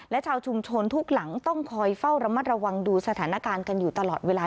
และชาวชุมชนทุกหลังต้องคอยเฝ้าระมัดระวังดูสถานการณ์กันอยู่ตลอดเวลา